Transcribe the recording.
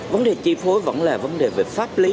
vấn đề chi phối vẫn là vấn đề về pháp lý